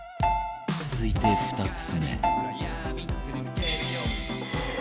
続いて２つ目